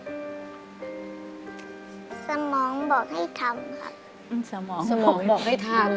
สมองบอกให้ทำค่ะสมองสมองบอกให้ทำ